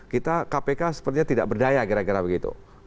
kita kpk sepertinya tidak berdaya kira kira begitu